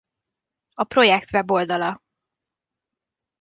A projekt weboldala